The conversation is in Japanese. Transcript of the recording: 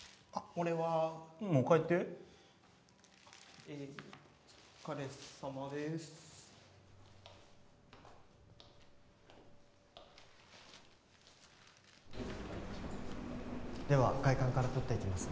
俺はもう帰ってお疲れさまでーすでは外観から撮っていきますね